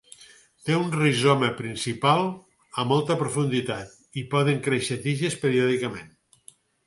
Té un rizoma principal a molta profunditat i poden créixer tiges periòdicament.